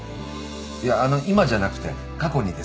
いやあの今じゃなくて過去にです